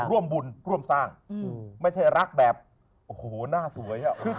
ร่วมบุญร่วมสร้างไม่ใช่รักแบบโอ้โหหน้าสวย